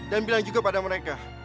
dan bilang juga pada mereka